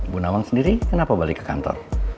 bunawang sendiri kenapa balik ke kantor